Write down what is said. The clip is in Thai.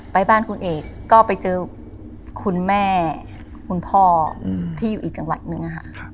ไปบ้านคุณเอกก็ไปเจอคุณแม่คุณพ่อที่อยู่อีกจังหวัดนึงค่ะ